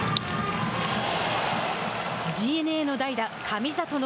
ＤｅＮＡの代打、神里の